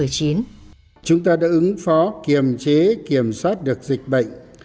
chúng ta đã ứng phó kiềm chế kiểm soát được dịch bệnh